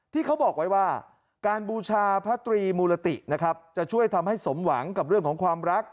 ที่เขาบอกไว้ว่าการบูชาพระตรีมูลตินะครับจะช่วยทำให้สมหวังกับเรื่องของความรัก